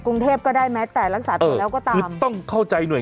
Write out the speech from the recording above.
กรุงเทพก็ได้แม้แต่รักษาตัวแล้วก็ตามคือต้องเข้าใจหน่วย